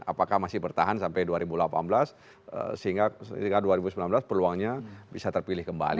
apakah masih bertahan sampai dua ribu delapan belas sehingga ketika dua ribu sembilan belas peluangnya bisa terpilih kembali